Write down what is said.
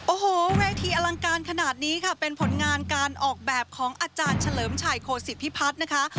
โอ้โหเวทีอลังการขนาดนี้ค่ะเป็นผลงานการออกแบบของอาจารย์เฉลิมชัยโคศิพิพัฒน์นะคะ